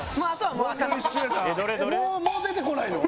もう出てこないの？